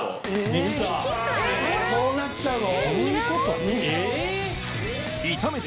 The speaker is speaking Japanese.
そうなっちゃうの？